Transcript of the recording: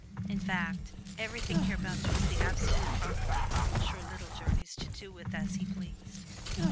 In fact, everything hereabouts was the absolute property of Monsieur Littlejourneys to do with as he pleased.